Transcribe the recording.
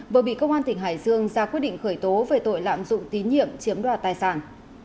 vừa bị công an tỉnh hải dương ra quyết định khởi tố về tội lạm dụng tín nhiệm chiếm đoạt tài sản